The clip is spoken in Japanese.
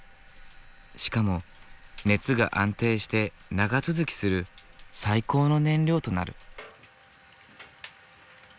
しかも熱が安定して長続きする最高の燃料となる。